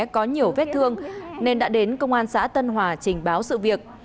có nhiều vết thương nên đã đến công an xã tân hòa trình báo sự việc